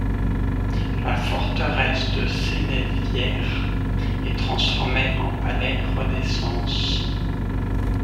La forteresse de Cénevières est transformée en palais Renaissance.